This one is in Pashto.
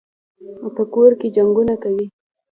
په کور کي جنګونه کوي.